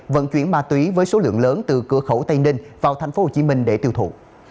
vận chuyển ma túy với số lượng lớn từ cửa khẩu tây ninh vào tp hcm để tiêu thụ